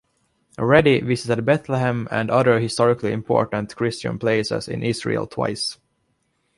Reddy visited Bethlehem and other historically important Christian places in Israel twice.